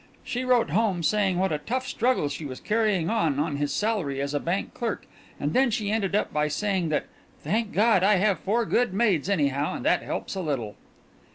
She wrote home saying what a tough struggle she was carrying on on his salary as a bank clerk and then she ended up by saying that 'Thank God, I have four good maids anyhow, and that helps a little.